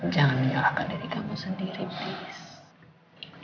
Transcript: jangan menyalahkan diri kamu sendiri tolong